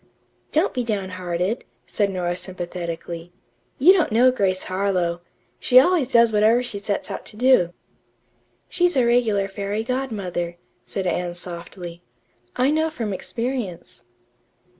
"Don't be down hearted," said Nora sympathetically. "You don't know Grace Harlowe. She always does whatever she sets out to do." "She's a regular fairy godmother," said Anne softly. "I know from experience."